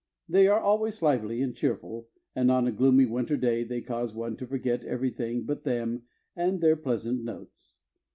They are always lively and cheerful and on a gloomy winter day they cause one to forget everything but them and their pleasant notes.